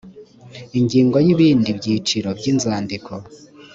ingingo ya ibindi byiciro by inzandiko